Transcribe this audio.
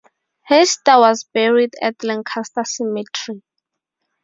Hiester was buried at Lancaster Cemetery.